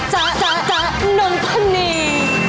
เจ้านมพนี